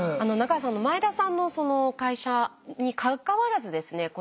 中原さん前田さんの会社にかかわらずですね